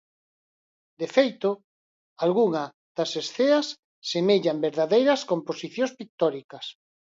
De feito, algunha das escenas semellan verdadeiras composicións pictóricas.